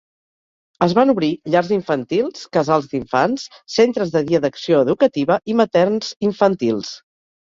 Es van obrir llars infantils, casals d’infants, centres de dia d’acció educativa i materns infantils.